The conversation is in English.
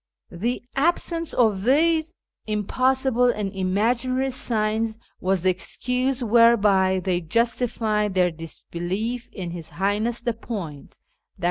The absence of these impossible and imaginary signs was the excuse whereby they justified their disbelief in His Highness the Point {i.